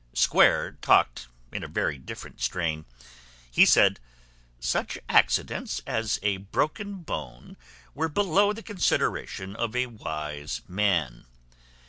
Square talked in a very different strain; he said, "Such accidents as a broken bone were below the consideration of a wise man.